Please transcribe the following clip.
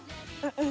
うん！